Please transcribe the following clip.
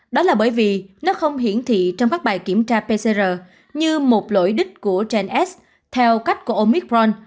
đó là bởi vì nó không hiển thị trong các bài kiểm tra pcr như một lỗi đích của gen s theo cách của omicron